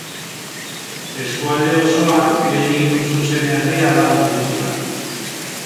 Eskualde osoan gehien hustu zen herria da Munitibar.